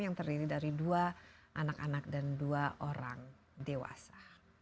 yang terdiri dari dua anak anak dan dua orang dewasa